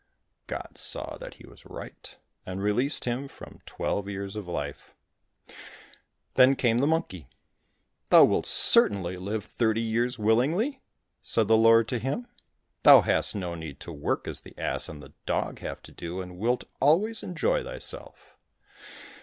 God saw that he was right, and released him from twelve years of life. Then came the monkey. "Thou wilt certainly live thirty years willingly?" said the Lord to him. "Thou hast no need to work as the ass and the dog have to do, and wilt always enjoy thyself."